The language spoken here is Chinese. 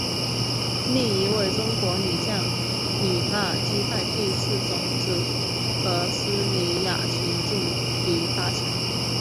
另一位中国女将李娜击败第四种籽禾丝妮雅琪晋级八强。